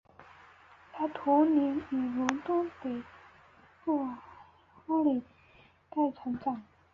她童年于伦敦北部哈林盖成长。